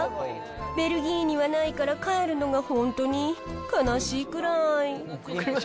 ベルギーにはないから、帰るのが本当に悲しいくらい。